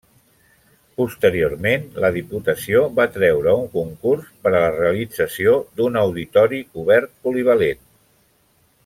Posteriorment, Diputació va treure un concurs per a la realització d'un auditori cobert polivalent.